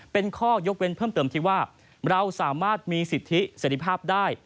เป็นข้อยกเว้นเพิ่มเติมที่ว่าเราสามารถมีสิทธิเสร็จภาพได้